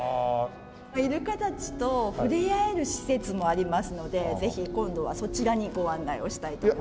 イルカたちと触れ合える施設もありますのでぜひ今度はそちらにご案内をしたいと思います。